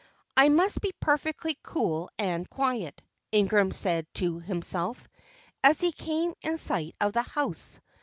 "I must be perfectly cool and quiet," Ingram said to himself, as he came in sight of the house.